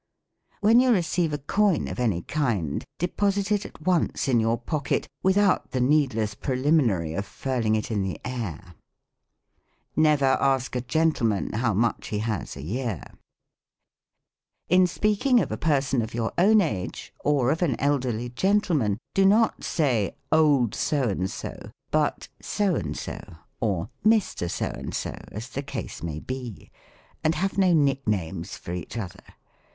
When you receive a coin of any kind, deposit it at once in your pocket, without the needless preliminary of furling it in the air. Never ask a gentleman how much he has a year. In speaking of a person of your own age, or of an elderly gentleman, do not say. Old So and so, but So and so, or Mr. So and so, as the case may be : and have no nicknames for each other.